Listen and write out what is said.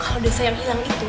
kalau desa yang hilang gitu